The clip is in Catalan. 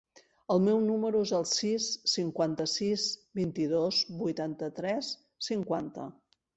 El meu número es el sis, cinquanta-sis, vint-i-dos, vuitanta-tres, cinquanta.